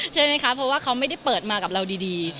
ใช่ไหมคะเพราะว่าเขาไม่ได้เปิดมากับเราดี